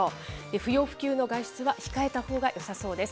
不要不急の外出は控えたほうがよさそうです。